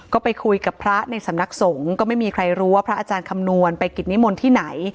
ก็ไปคุยกับพระในสำนักสงฆ์ก็ไม่มีใครรู้ว่าพระอาจารย์คำนวณไปกิจนิมนต์ที่ไหน